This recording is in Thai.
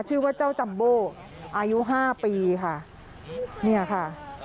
ชื่อว่าเจ้าจัมโบอายุห้าปีค่ะเนี่ยค่ะ